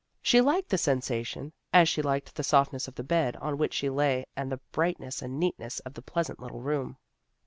She liked the sensation, as she liked the softness of the bed on which she lay and the brightness and neatness of the pleasant little room.